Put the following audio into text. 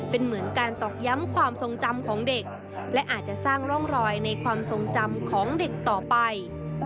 เป็นเหมือนการตอกย้ำความทรงจำของเด็กและอาจจะสร้างร่องรอยในความทรงจำของเด็กต่อไป